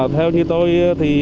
theo như tôi